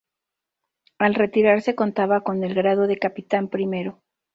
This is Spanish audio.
Al retirarse contaba con el grado de Capitán primero.